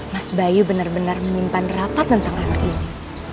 mas bayu bener bener menimpan rapat tentang anak ini